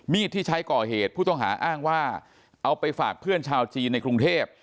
ที่ใช้ก่อเหตุผู้ต้องหาอ้างว่าเอาไปฝากเพื่อนชาวจีนในกรุงเทพ